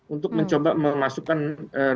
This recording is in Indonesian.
untuk mencoba memasukkan mobil